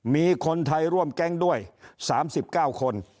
มีคนไทยร่วมแก๊งด้วย๓๙คน